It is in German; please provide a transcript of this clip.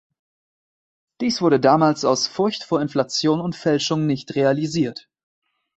Dies wurde damals aus Furcht vor Inflation und Fälschung nicht realisiert.